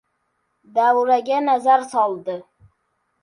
Davraga nazar soldi.